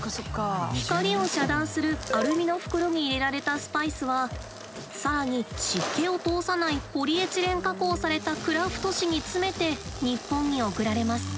光を遮断するアルミの袋に入れられたスパイスは更に湿気を通さないポリエチレン加工されたクラフト紙に詰めて日本に送られます。